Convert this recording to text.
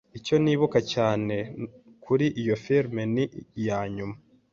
Icyo nibuka cyane kuri iyo firime ni iyanyuma.